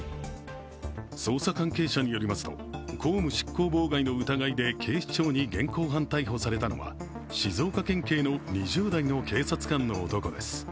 捜査関係者によりますと公務執行妨害の疑いで警視庁に現行犯逮捕されたのは、静岡県警の２０代の警察官の男です。